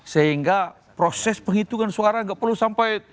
sehingga proses penghitungan suara nggak perlu sampai